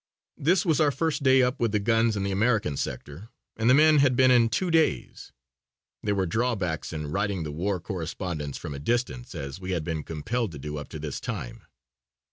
This was our first day up with the guns in the American sector and the men had been in two days. There were drawbacks in writing the war correspondence from a distance as we had been compelled to do up to this time.